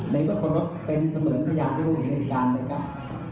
ในเมื่อคนรถเป็นเสมือนพยายามให้รู้เหมือนกันอีกกันเลยครับ